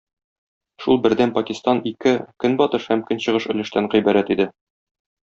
Шул бердәм Пакистан ике - Көнбатыш һәм Көнчыгыш өлештән гыйбарәт иде.